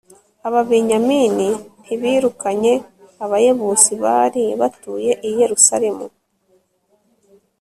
ababenyamini ntibirukanye abayebusi bari batuye i yerusalemu